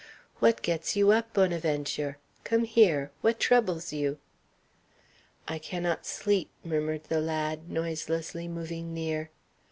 "What gets you up, Bonaventure? Come here. What troubles you?" "I cannot sleep," murmured the lad, noiselessly moving near.